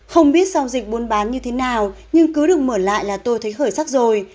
không biết giao dịch buôn bán như thế nào nhưng cứ được mở lại là tôi thấy khởi sắc rồi